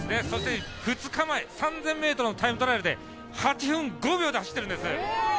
そして２日前、３０００ｍのタイムトライアルで８分５秒で走ってるんです。